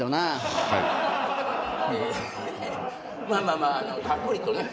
まあまあたっぷりとね。